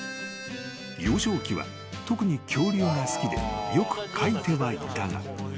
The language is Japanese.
［幼少期は特に恐竜が好きでよく描いてはいたが］